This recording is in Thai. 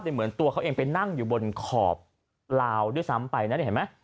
เหมือนตัวเขาเองไปนั่งอยู่บนขอบลาวด้วยซ้ำไปนะเนี่ยเห็นไหม